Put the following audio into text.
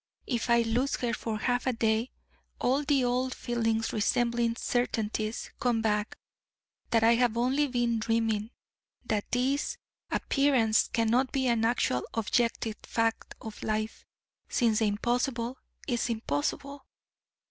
If I lose her for half a day, all the old feelings, resembling certainties, come back, that I have only been dreaming that this appearance cannot be an actual objective fact of life, since the impossible is impossible.